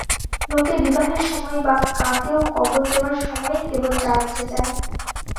লোকে বিবাহের সময় বা কাকেও কবর দেবার সময়েই কেবল চার্চে যায়।